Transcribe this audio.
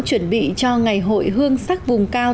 chuẩn bị cho ngày hội hương sắc vùng cao